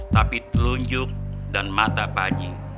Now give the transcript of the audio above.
tapi telunjuk dan mata pak haji